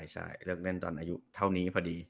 ใช่เลิกเล่นตอนอายุเท่านี้พอดี